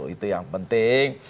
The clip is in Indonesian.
itu yang penting